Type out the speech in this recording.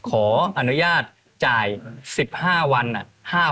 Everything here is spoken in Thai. ขออนุญาตจ่าย๑๕วัน๕๐๐๐บาท